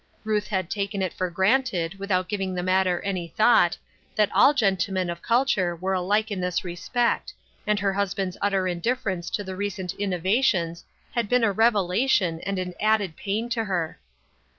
Ruth had taken it for granted, without giving the matter any thought, that all gentlemen of culture were alike in this respect, and her husband's utter indifference to the recent innovations had been a revelation and an added pain to her.